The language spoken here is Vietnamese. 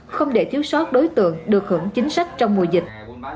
không để thiếu sót đối tượng được hưởng chính sách trong mùa dịch